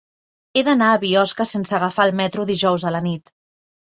He d'anar a Biosca sense agafar el metro dijous a la nit.